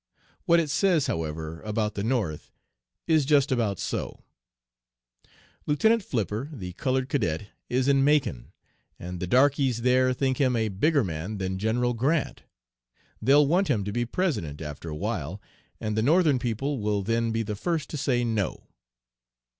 What it says, however, about the North, is just about so: "'Lieutenant Flipper, the colored cadet, is in Macon, and the darkies there think him a bigger man that General Grant. They'll want him to be President after awhile, and the Northern people will then be the first to say no.'"